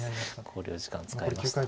考慮時間使いました。